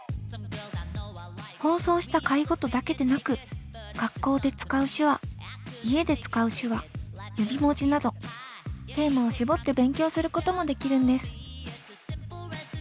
放送した回ごとだけでなく学校で使う手話家で使う手話指文字などテーマを絞って勉強することもできるんです。